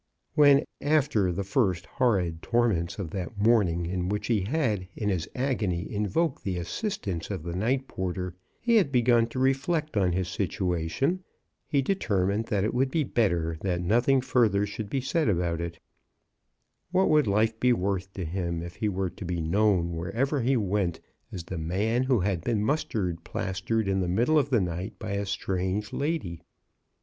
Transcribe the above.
When, after the first horrid torments of that morning in which he had in his agony invoked the assistance of 72 CHRISTMAS AT THOMPSON HALL. the night porter, he had begun to reflect on his situation, he had determined that it would be better that nothing further should be said about it What would life be worth to him if he were to be known wherever he went as the man who had been mustard plastered in the middle of the night by a strange lady?